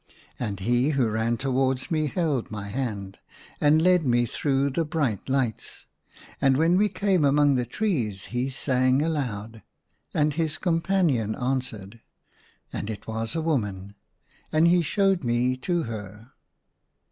And he who ran towards me held my hand, and led me through the bright lights. And when we came among the trees he sang aloud, and his companion answered, and it was a woman, and he showed me to her.